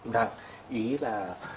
đúng rồi ý là